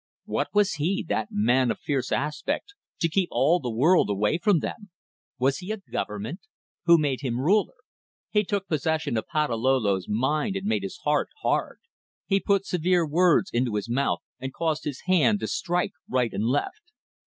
What was he, that man of fierce aspect, to keep all the world away from them? Was he a government? Who made him ruler? He took possession of Patalolo's mind and made his heart hard; he put severe words into his mouth and caused his hand to strike right and left.